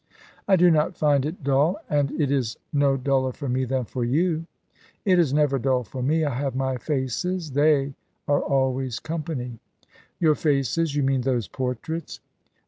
"I do not find it dull and it is no duller for me than for you." "It is never dull for me. I have my faces. They are always company." "Your faces You mean those portraits?"